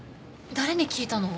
誰に聞いたの？